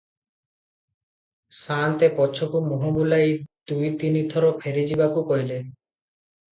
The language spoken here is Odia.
ସାଆନ୍ତେ ପଛକୁ ମୁହଁ ବୁଲାଇ ଦୁଇ ତିନି ଥର ଫେରିଯିବାକୁ କହିଲେ ।